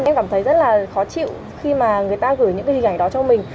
em cảm thấy rất là khó chịu khi mà người ta gửi những cái hình ảnh đó cho mình